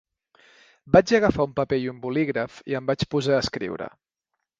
Vaig agafar un paper i un bolígraf i em vaig posar a escriure.